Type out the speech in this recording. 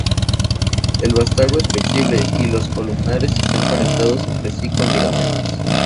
El vástago es flexible y los columnares están conectados entre sí con ligamentos.